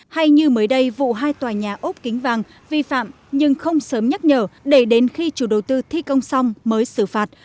hay như mới đây vụ hai tòa nhà ốp kính vàng vi phạm nhưng không sớm nhắc nhở để đến khi chủ đầu tư thi công xong mới xử phạt